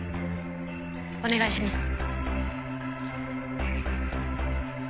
お願いします。